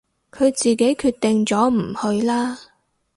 佢自己決定咗唔去啦